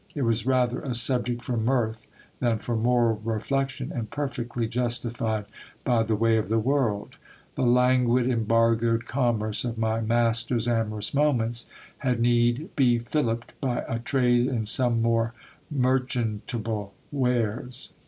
It was rather a subject for mirth than for moral reflection, and perfectly justified by the way of the world ; the languid, embargoed commerce of my master's amorous moments had need be fillipped by a trade in some more mer chantable wares.